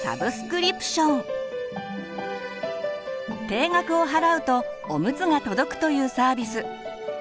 定額を払うとおむつが届くというサービス。